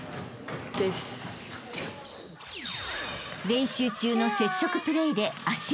［練習中の接触プレーで足を捻挫］